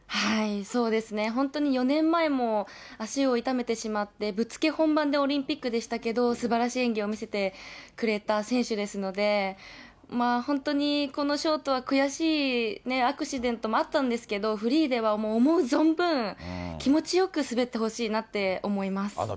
そうですね、本当に４年前も足を痛めてしまって、ぶっつけ本番でオリンピックでしたけど、すばらしい演技を見せてくれた選手ですので、本当にこのショートは悔しいアクシデントもあったんですけど、フリーでは思う存分、気持ちよく滑ってほしいなって思います。